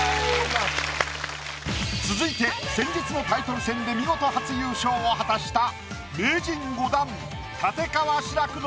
続いて先日のタイトル戦で見事初優勝を果たした。